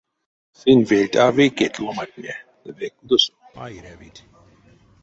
Сынь вельть а вейкетть ломантне ды ве кудосо а эрявить.